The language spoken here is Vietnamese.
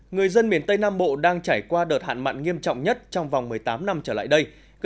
người dân miền tây nam bộ đang trải qua đợt hạn mặn nghiêm trọng nhất trong vòng một mươi tám năm trở lại đây